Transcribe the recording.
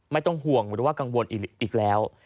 ไม่ต้องห่วงหรือว่ากังวลอีกแล้ว